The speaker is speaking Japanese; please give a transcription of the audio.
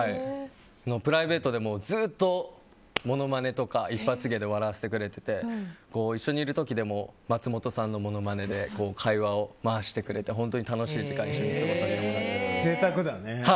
プライベートでもずっとものまねとか一発芸で笑わせてくれてて一緒にいる時でも松本さんのものまねで会話を回してくれて本当に楽しい時間に贅沢だね。